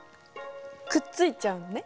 くっついちゃうのね。